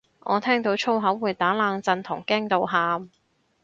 我聽到粗口會打冷震同驚到喊